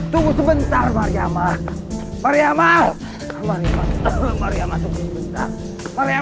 tunggu sebentar mariama mariama mariama tunggu sebentar